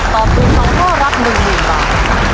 ตอบถูก๒ข้อรับ๑๐๐๐บาท